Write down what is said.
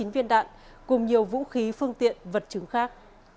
một một trăm chín mươi chín viên đạn cùng nhiều vũ khí phương tiện vật chứng khác